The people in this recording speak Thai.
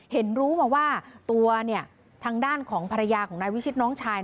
เห็นรู้มาว่าตัวเนี่ยทางด้านของภรรยาของนายวิชิตน้องชาย